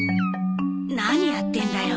何やってんだよ。